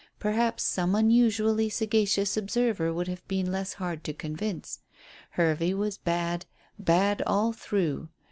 Perhaps some unusually sagacious observer would have been less hard to convince. Hervey was bad, bad all through.